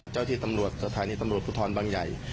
เจ้าที่ตำรวจสถานีตำรวจภูทรบางใหญ่